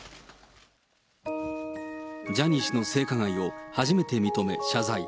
ジャニー氏の性加害を初めて認め謝罪。